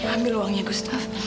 ambil uangnya gustaf